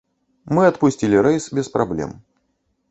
Мы адпусцілі рэйс без праблем.